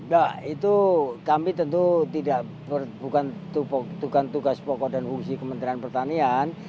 ya itu kami tentu tidak bukan tugas pokok dan fungsi kementerian pertanian